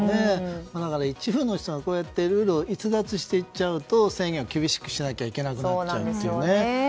だから一部の人がこうしてルールを逸脱していっちゃうと制限を厳しくしなくちゃいけなくなっちゃうんですよね。